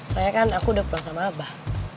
soalnya kan aku udah pulang sama abah